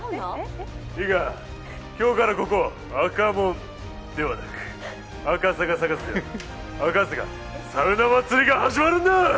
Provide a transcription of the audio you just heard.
いいか、今日からここ赤門ではなく赤坂サカスで赤坂サウナ祭りが始まるんだ！